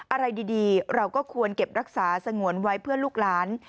อะไรดีเราก็ควรเก็บรักษาสงวนไว้เพื่อลูกหลาน